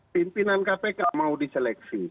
pimpinan kpk mau diseleksi